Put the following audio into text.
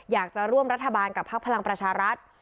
อยากจะร่วมรัฐบาลกับพักพลังประชารัฐ